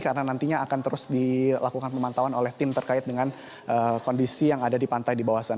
karena nantinya akan terus dilakukan pemantauan oleh tim terkait dengan kondisi yang ada di pantai di bawah sana